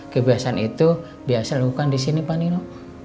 kebiasaan itu biasa lakukan di sini pak nino